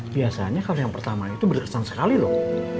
biasanya kalau yang pertama itu berkesan sekali loh